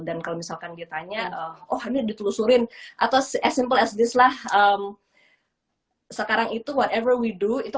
dan kalau misalkan ditanya oh ini ditelusuri atau simple as this lah sekarang itu whatever we do itu